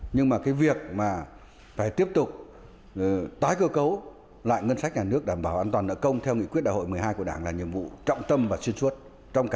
năm hai nghìn một mươi bảy là tái cơ cấu lại ngân sách nhà nước đảm bảo an toàn nợ công